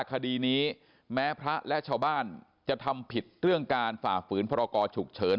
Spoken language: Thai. คดีนี้แม้พระและชาวบ้านจะทำผิดเรื่องการฝ่าฝืนพรกรฉุกเฉิน